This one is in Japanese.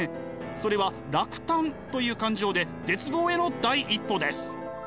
それは落胆という感情で絶望への第一歩です。